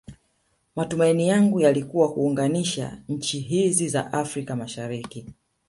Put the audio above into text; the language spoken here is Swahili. Matumaini yangu yalikua kuunganisha nchi hizi za Afrika mashariki